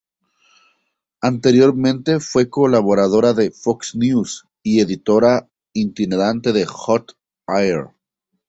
Anteriormente fue colaboradora de Fox News y editora itinerante de Hot Air.